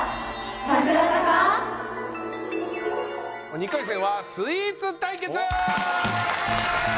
２回戦はスイーツ対決！